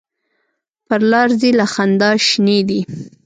پر لار ځي له خندا شینې دي.